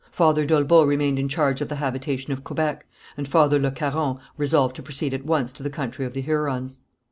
Father d'Olbeau remained in charge of the habitation of Quebec, and Father Le Caron resolved to proceed at once to the country of the Hurons.